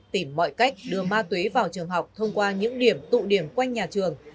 tìm mọi cách đưa ma túy vào trường học thông qua những điểm tụ điểm quanh nhà trường